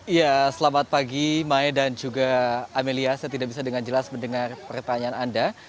ya selamat pagi mae dan juga amelia saya tidak bisa dengan jelas mendengar pertanyaan anda